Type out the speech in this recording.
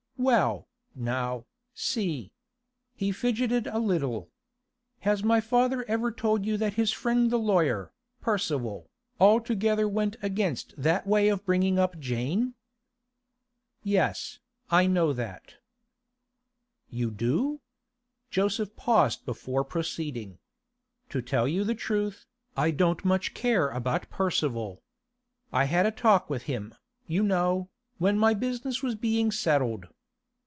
'Well, now, see.' He fidgeted a little. 'Has my father ever told you that his friend the lawyer, Percival, altogether went against that way of bringing up Jane?' 'Yes, I know that.' 'You do?' Joseph paused before proceeding. 'To tell you the truth, I don't much care about Percival. I had a talk with him, you know, when my business was being settled.